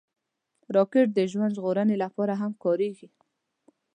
راکټ د ژوند ژغورنې لپاره هم کارېږي